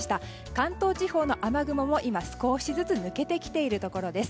関東地方の雨雲も今、少しずつ抜けてきているところです。